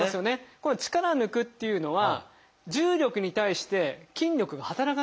この力を抜くっていうのは重力に対して筋力が働かなくなるんです。